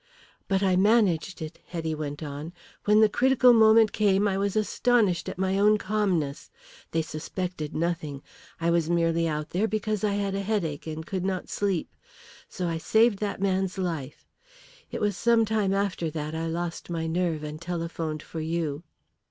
"But I managed it," Hetty went on. "When the critical moment came I was astonished at my own calmness. They suspected nothing. I was merely out there because I had a headache and could not sleep. So I saved that man's life. It was some time after that I lost my nerve and telephoned for you."